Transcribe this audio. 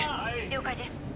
「了解です」。